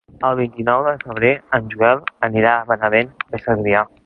El vint-i-nou de febrer en Joel anirà a Benavent de Segrià.